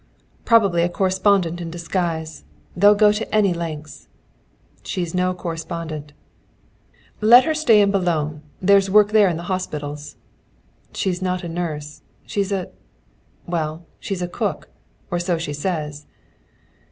"Probably a correspondent in disguise. They'll go to any lengths." "She's not a correspondent." "Let her stay in Boulogne. There's work there in the hospitals." "She's not a nurse. She's a well, she's a cook. Or so she says."